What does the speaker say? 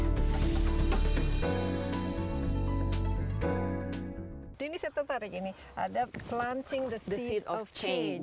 jadi ini saya tertarik ini ada planting the seed of change